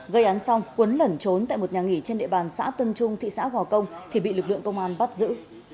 gây án xong quấn lẩn trốn tại một nhà nghỉ trên địa bàn xã tân trung thị xã gò công thì bị lực lượng công an bắt giữ